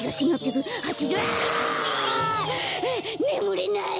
ねむれない！